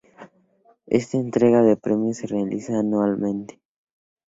Esta entrega de premios se realiza anualmente.